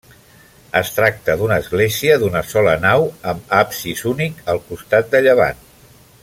Es tracta d'una església d'una sola nau, amb absis únic al costat de llevant.